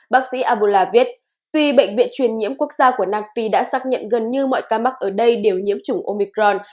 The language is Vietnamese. bác sĩ abula viết vì bệnh viện truyền nhiễm quốc gia của nam phi đã xác nhận gần như mọi ca mắc ở đây đều nhiễm chủng omicron